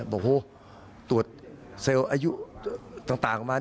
บอกตรวจเซลล์อายุต่างมา